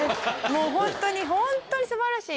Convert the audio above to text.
もうホントにホントに素晴らしい。